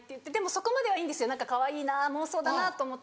そこまではいいんですよかわいいな妄想だなと思って。